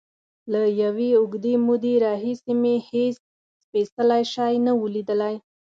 له یوې اوږدې مودې راهیسې مې هېڅ سپېڅلی شی نه و لیدلی.